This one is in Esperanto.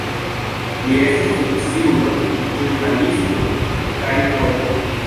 Li estis funkciulo, ĵurnalisto kaj poeto.